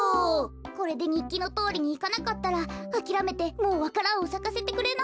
これでにっきのとおりにいかなかったらあきらめてもうわか蘭をさかせてくれないんじゃない？